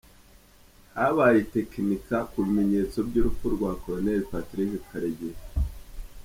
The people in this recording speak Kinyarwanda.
Habaye itekinika ku bimenyetso by’urupfu rwa Col Patrick Karegeya